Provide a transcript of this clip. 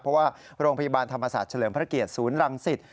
เพราะว่าโรงพยาบาลธรรมศาสตร์เฉลิมพระเกียรติศูนย์รังสิต